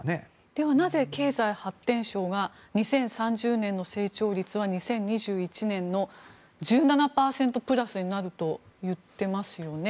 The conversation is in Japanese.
では、なぜ経済発展相は２０３０年度の成長率は２０２１年の１７％プラスになると言ってますよね。